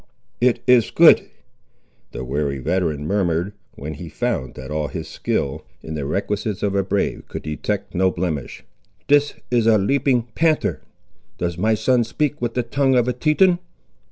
"It is good," the wary veteran murmured, when he found that all his skill in the requisites of a brave could detect no blemish; "this is a leaping panther! Does my son speak with the tongue of a Teton?"